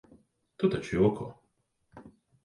Tu taču joko?